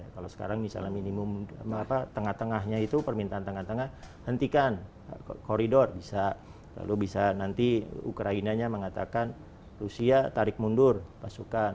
kalau sekarang misalnya minimum tengah tengahnya itu permintaan tengah tengah hentikan koridor bisa lalu bisa nanti ukrainanya mengatakan rusia tarik mundur pasukan